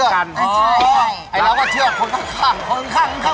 เราก็เชื่อคนข้างบอกเอาเลยเอาเลยเอาเลย